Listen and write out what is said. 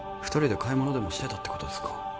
二人で買い物でもしてたってことですか？